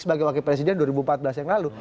sebagai wakil presiden dua ribu empat belas yang lalu